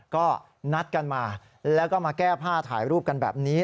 ก็นัดกันมาแล้วก็มาแก้ผ้าถ่ายรูปกันแบบนี้